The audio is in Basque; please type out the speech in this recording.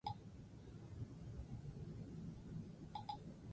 Hautesle-errolda behin baino ezingo da aldatu, eta behin betikoa izango da.